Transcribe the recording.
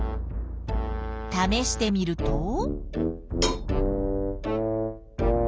ためしてみると。